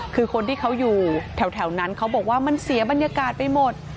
คือคนที่เขาอยู่แถวนั้นเขาบอกว่ามันเสียบรรยากาศไปหมด